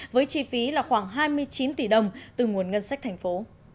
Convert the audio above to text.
với chi phí là khoảng hai mươi chín tỷ đồng từ nguồn ngân sách thành phố